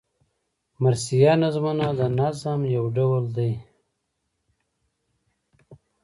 مرثیه نظمونه د نظم یو ډول دﺉ.